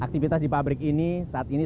aktivitas di pabrik ini saat ini